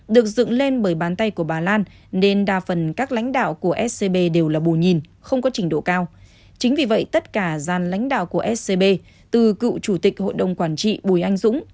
được dựng lên bởi bàn tay của bà lan nên đa phần các lãnh đạo của scb đều là bù nhìn không có trình độ cao chính vì vậy tất cả gian lãnh đạo của scb từ cựu chủ tịch hội đồng quản trị bùi anh dũng